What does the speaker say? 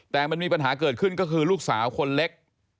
แต่มันมีปัญหาเกิดขึ้นก็คือลูกสาวคนเล็ก